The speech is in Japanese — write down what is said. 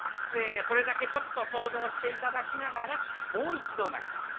それだけちょっと想像していただきながらもう一度鳴きます。